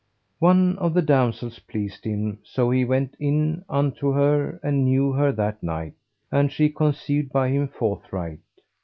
One of the damsels pleased him: so he went in unto her and knew her that night, and she conceived by him forthright.